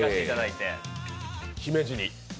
姫路に。